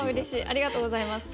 ありがとうございます。